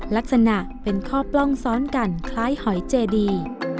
ลักษณะเป็นข้อปล้องซ้อนกันคล้ายหอยเจดี